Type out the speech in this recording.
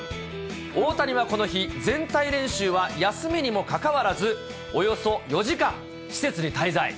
大谷はこの日、全体練習は休みにもかかわらず、およそ４時間施設に滞在。